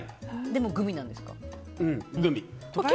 でもグミなんですか？